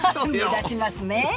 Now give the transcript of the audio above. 目立ちますね。